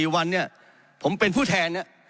๔วันเนี่ยผมเป็นผู้แทนเนี่ย